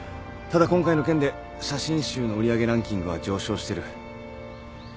ただ今回の件で写真集の売り上げランキングは上昇してる。